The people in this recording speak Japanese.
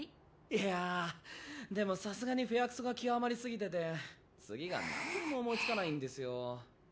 いやでもさすがに「フェアクソ」が極まり過ぎてて次がなんにも思いつかないんですよ。